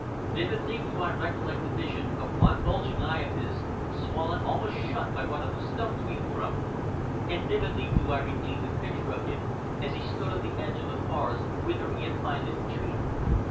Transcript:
Vividly do I recollect the vision of one bulging eye of his, swollen almost shut by one of the stones we had thrown. And vividly do I retain the picture of him as he stood on the edge of the forest whither he had finally retreated.